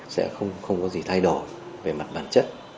sẽ không có gì thay đổi về mặt bản chất